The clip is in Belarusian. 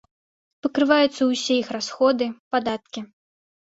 Пакрываюцца ўсе іх расходы, падаткі.